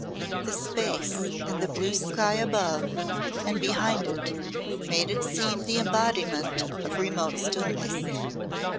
The space and the blue sky above and behind it made it seem the embodiment of remote stillness.